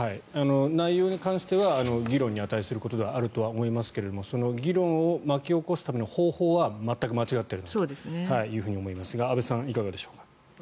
内容に関しては議論に値することではあると思いますがその議論を巻き起こすための方法は全く間違っていると思いますが安部さん、いかがでしょうか。